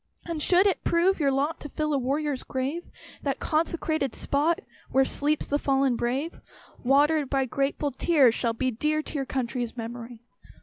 And should it prove your lot To fill a warrior's grave, That consecrated spot Where sleeps "the fallen brave," Watered by grateful tears, shall be Dear to your country's memory.